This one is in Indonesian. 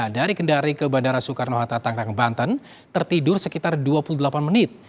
dari kendari ke bandara soekarno hatta tangerang banten tertidur sekitar dua puluh delapan menit